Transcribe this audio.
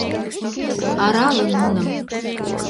Арале нуным!